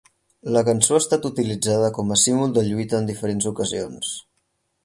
La cançó ha estat utilitzada com a símbol de lluita en diferents ocasions.